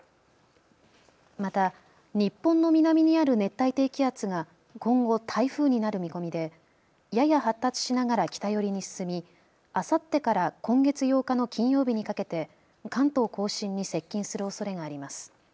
また日本の南にある熱帯低気圧が今後台風になる見込みでやや発達しながら北寄りに進みあさってから今月８日の金曜日にかけて関東甲信に接近するおそれがあります。